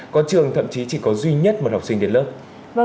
có trường thậm chí chỉ có duy nhất một học sinh đến lớp